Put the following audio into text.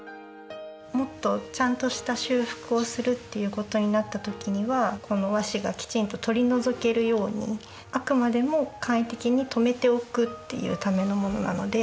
もっとちゃんとした修復をするっていうことになった時にはこの和紙がきちんと取り除けるようにあくまでも簡易的にとめておくっていうためのものなので。